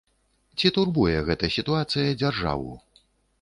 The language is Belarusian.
Ці турбуе гэта сітуацыя дзяржаву?